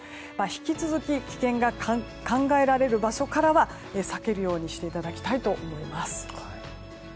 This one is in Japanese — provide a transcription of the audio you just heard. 引き続き危険が考えられる場所からは避けるようにしていただきたいと思います。